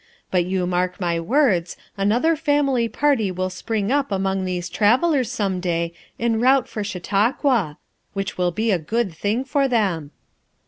But you mark my words, another family party will spring up among these travelers some day en route for Chautauqua; which will be a good thing for them."